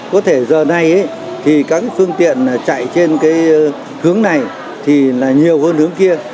có thể giờ nay thì các phương tiện chạy trên cái hướng này thì là nhiều hơn hướng kia